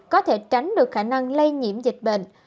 có thể tránh được khả năng lây nhiễm dịch bệnh